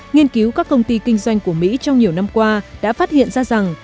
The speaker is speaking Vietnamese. nghiên cứu các công ty kinh doanh của mỹ trong nhiều năm qua đã phát hiện ra rằng